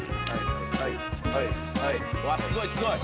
うわすごいすごい。